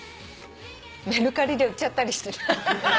メルカリで売っちゃったりして。